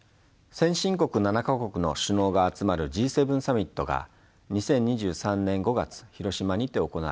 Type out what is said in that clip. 先進国７か国の首脳が集まるＧ７サミットが２０２３年５月広島にて行われました。